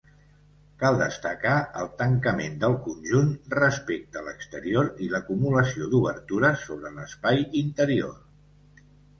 Cal destacar el tancament del conjunt respecte l'exterior i l'acumulació d'obertures sobre l'espai interior.